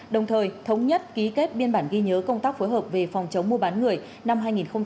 đồng thời thống nhất ký kết biên bản ghi nhớ công tác phối hợp về phòng chống mua bán người năm hai nghìn một mươi chín hai nghìn hai mươi